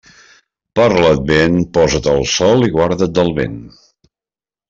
Per l'advent, posa't al sol i guarda't del vent.